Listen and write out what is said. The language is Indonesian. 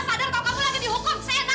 aku tidak ada